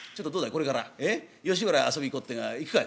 これから吉原へ遊びに行こうっていうが行くかい？」